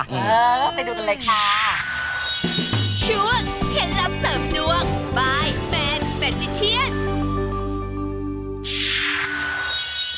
ไปดูกันเลยค่ะ